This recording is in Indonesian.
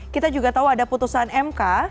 kita juga tahu ada putusan mk